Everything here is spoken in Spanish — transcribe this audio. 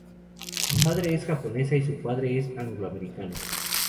Su madre es japonesa y su padre es anglo-americano.